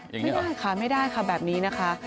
ไม่ได้ค่ะไม่ได้ค่ะแบบนี้นะคะ